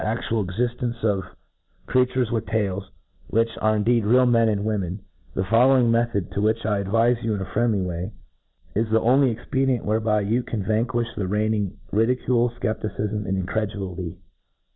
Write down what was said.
aatial exifteflcc of creatures with tJuls^ Which, arc indeed real men anij women— the following method, to which I 'advifeyou in a friendly *ray, is the only cxpedi ^ crit whereby you can vanquifh the reigning ridi* . cule, fcepticifm, and incredulity.